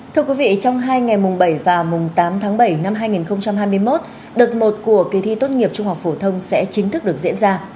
thưa quý vị trong hai ngày mùng bảy và mùng tám tháng bảy năm hai nghìn hai mươi một đợt một của kỳ thi tốt nghiệp trung học phổ thông sẽ chính thức được diễn ra